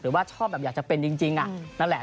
ว่าชอบแบบอยากจะเป็นจริงนั่นแหละ